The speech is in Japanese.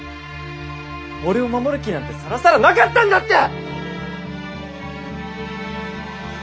俺を守る気なんてさらさらなかったんだって！